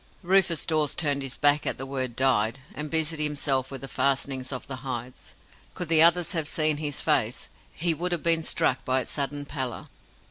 Rufus Dawes turned his back at the word "died", and busied himself with the fastenings of the hides. Could the other have seen his face, he would have been struck by its sudden pallor.